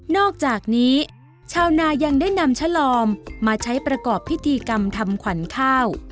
อกจากนี้ชาวนายังได้นำชะลอมมาใช้ประกอบพิธีกรรมทำขวัญข้าว